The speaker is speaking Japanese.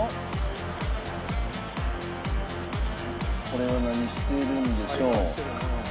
これは何しているんでしょう？